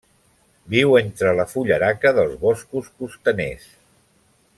Viu entre la fullaraca dels boscos costaners.